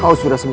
kau sudah sembuh